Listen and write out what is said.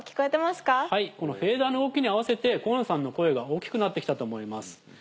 このフェーダーの動きに合わせて河野さんの声が大きくなって来たと思います。